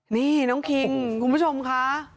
นี่น้องคิงคุณผู้ชมค่ะ